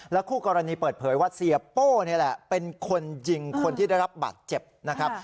คู่กรณีเปิดเผยว่าเสียโป้นี่แหละเป็นคนยิงคนที่ได้รับบาดเจ็บนะครับ